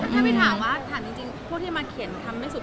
พวกที่มาเขียนคำไม่สุดภาพกว่าเราอะไรอย่างนี้